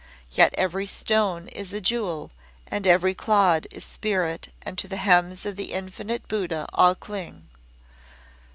Yet every stone is a jewel and every clod is spirit and to the hems of the Infinite Buddha all cling.